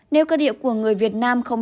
nếu cơ địa của người việt nam không